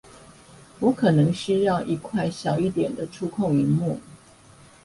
我可能需要一塊小一點的觸控螢幕